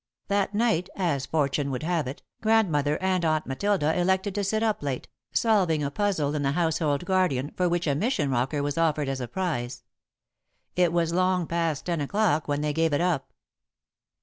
That night, as fortune would have it, Grandmother and Aunt Matilda elected to sit up late, solving a puzzle in The Household Guardian for which a Mission rocker was offered as a prize. It was long past ten o'clock when they gave it up.